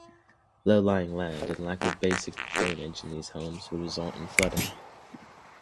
Low-lying land and lack of basic drainage in these homes would result in flooding.